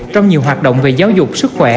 trong nhiều hoạt động về giáo dục sức khỏe